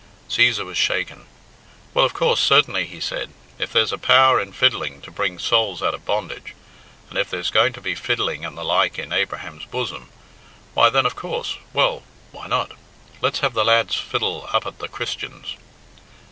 Cæsar was shaken. "Well, of course, certainly," he said, "if there's a power in fiddling to bring souls out of bondage, and if there's going to be fiddling and the like in Abraham's bosom why, then, of course well, why not? let's have the lad's fiddle up at 'The Christians.'"